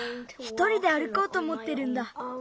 ひとりであるこうとおもってるんだ。